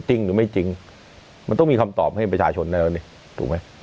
จริงหรือไม่จริงมันต้องมีคำตอบให้ประชาชนได้แล้วนี่ถูกไหม